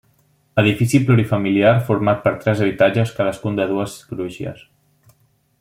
Edifici plurifamiliar format per tres habitatges, cadascun de dues crugies.